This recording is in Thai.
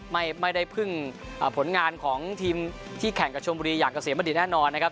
ไม่ได้พึ่งผลงานของทีมที่แข่งกับชมบุรีอย่างเกษมณฑิตแน่นอนนะครับ